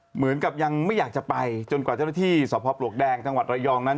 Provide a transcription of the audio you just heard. เหมือนกับยังไม่อยากจะไปจนกว่าเจ้าหน้าที่สพปลวกแดงจังหวัดระยองนั้น